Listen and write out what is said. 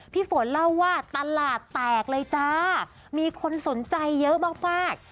พี่ฝนเล่าว่าตลาดแตกเลยจ้ามีคนสนใจเยอะมากมาก